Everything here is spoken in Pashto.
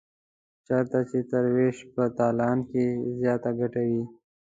چېرته چې تر وېش په تالان کې زیاته ګټه وي.